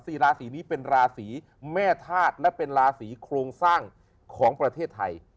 สี่ราศีนี้เป็นราศีแม่ธาตุและเป็นราศีโครงสร้างของประเทศไทย